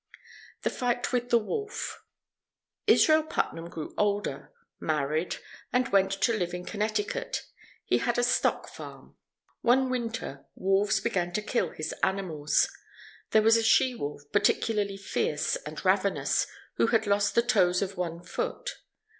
THE FIGHT WITH THE WOLF Israel Putnam grew older, married, and went to live in Connecticut. He had a stock farm. One winter, wolves began to kill his animals. There was a she wolf, particularly fierce and ravenous, who had lost the toes of one foot.